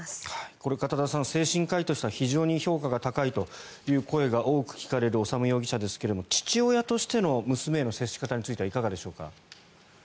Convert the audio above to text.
これ、片田さん精神科医としては非常に評価が高いという声が多く聞かれる修容疑者ですが父親としての娘への接し方についてはいかがでしょうか。